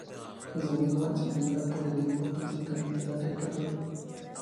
Desde muy joven se inclina por el dibujo, específicamente la caricatura.